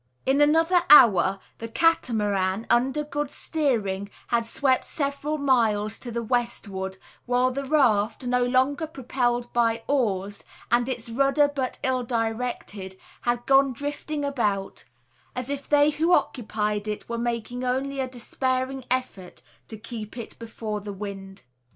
In another hour, the Catamaran, under good steering, had swept several miles to westward; while the raft, no longer propelled by oars, and its rudder but ill directed, had gone drifting about: as if they who occupied it were making only a despairing effort to keep it before the wind.